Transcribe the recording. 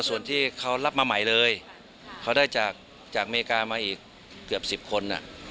ตอนนี้อเมริกามา๑๐ลาคน